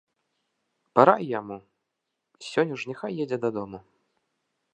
Парай яму, сёння ж няхай едзе дадому.